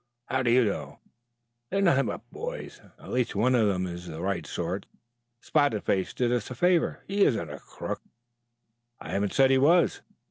"How do you know?" "They are nothing but boys. At least one of them is the right sort. Spotted Face did us a favor. He isn't a crook." "I haven't said he was.